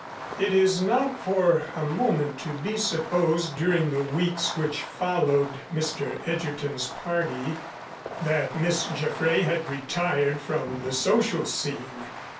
It is not for a moment to be supposed during the weeks which followed Mr. Egerton's party that Miss Jaffray had retired from the social scene.